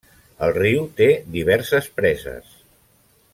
El riu té diverses preses.